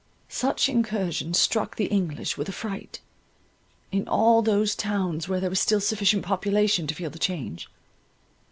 Such incursions struck the English with affright, in all those towns where there was still sufficient population to feel the change.